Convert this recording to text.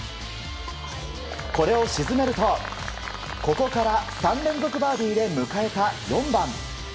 これを沈めるとここから３連続バーディーで迎えた４番。